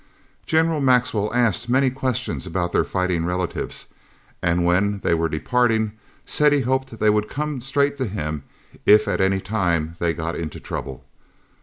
General Maxwell asked many questions about their fighting relatives, and, when they were departing, said he hoped they would come straight to him if at any time they got into trouble.